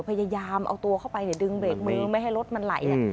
พยายามเอาตัวเข้าไปดึงเบรกมือไม่ให้รถมันไหล